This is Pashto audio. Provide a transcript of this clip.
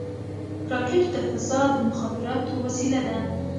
راکټ د فضا د مخابراتو وسیله ده